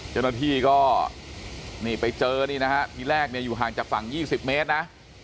เจ้าหน้าที่ก็นี่ไปเจอนี่นะฮะทีแรกเนี่ยอยู่ห่างจากฝั่ง๒๐เมตรนะ